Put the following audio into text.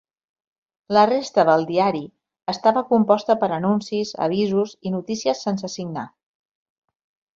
La resta del diari estava composta per anuncis, avisos i notícies sense signar.